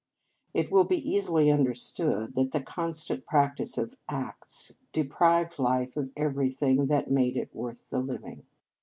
It will be easily understood that the constant practice of acts deprived life of everything that made it worth the living.